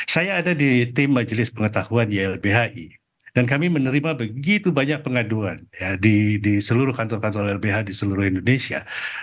saya ada di tim majelis pengetahuan ylbhi dan kami menerima begitu banyak pengaduan di seluruh kantor kantor lbh di seluruh indonesia